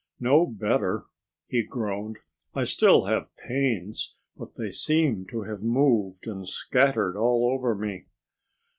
"No better!" he groaned. "I still have pains. But they seem to have moved and scattered all over me."